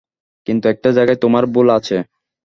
কিন্তু একটা জায়গায় তোমার ভুল আছে।